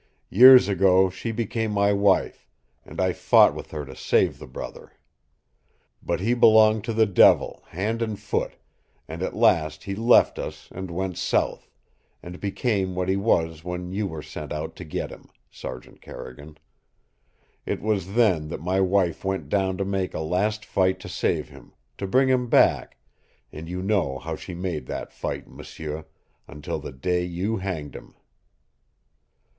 Years ago she became my wife, and I fought with her to save the brother. But he belonged to the devil hand and foot, and at last he left us and went south, and became what he was when you were sent out to get him, Sergeant Carrigan. It was then that my wife went down to make a last fight to save him, to bring him back, and you know how she made that fight, m'sieu until the day you hanged him!"